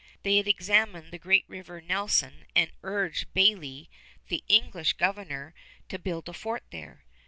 They had examined the great River Nelson and urged Bayly, the English governor, to build a fort there.